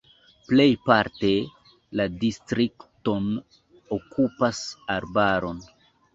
Plejparte la distrikton okupas arbaroj.